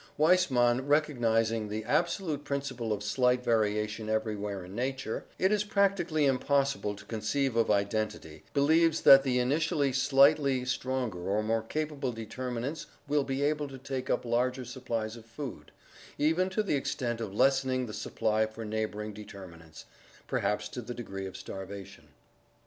Weis mann, recognizing the absolute principle of slight variation everywhere in nature, — it is practically impossible to conceive of identity, — believes that the initially slightly stronger or more capable determinants will be able to take up larger supplies of food, even to the extent of lessening the supply for neighboring determinants, perhaps to the degree of starva tion.